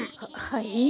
はい？